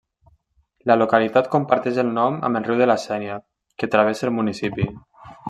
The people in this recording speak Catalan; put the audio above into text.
La localitat comparteix el nom amb el riu de la Sénia, que travessa el municipi.